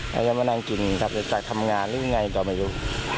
เขาจะมานั่งกินจากทำงานหรืออย่างไรก็ไม่รู้